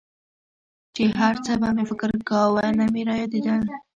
چې هرڅه به مې فکر کاوه نه مې رايادېدل.